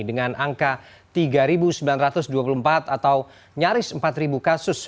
dengan angka tiga sembilan ratus dua puluh empat atau nyaris empat kasus